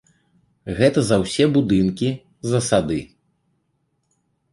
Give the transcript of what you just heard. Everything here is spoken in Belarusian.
Гэта за ўсе будынкі, за сады.